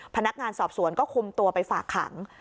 พนักงานสอบสวนก็คุมตัวไปฝากขัง